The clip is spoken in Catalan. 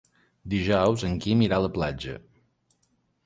Dijous en Quim irà a la platja.